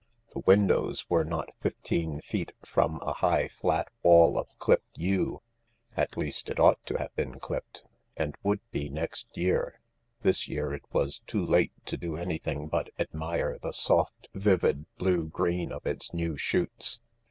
The windows were not fifteen feet from a high, flat wall of clipped yew— at least, it ought to have been clipped, and would be next year : this year it was too late to do anything but admire the soft, vivid blue green of its new shoots.